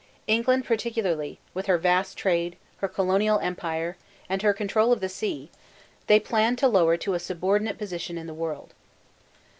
England particularly, with her vast trade, her colonial empire, and her control of the sea, they planned to lower to a subordinate position in the world.